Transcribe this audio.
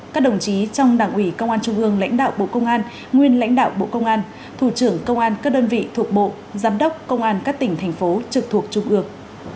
các đồng chí trong đảng ủy công an trung ương lãnh đạo bộ công an nguyên lãnh đạo bộ công an thủ trưởng công an các đơn vị thuộc bộ giám đốc công an các tỉnh thành phố trực thuộc trung ương